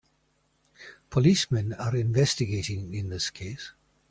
Policemen are investigating in this case.